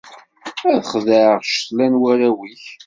Ad xedɛeɣ ccetla n warraw-ik.